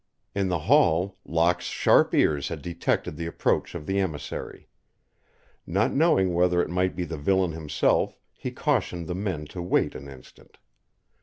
In the hall, Locke's sharp ears had detected the approach of the emissary. Not knowing whether it might be the villain himself, he cautioned the men to wait an instant.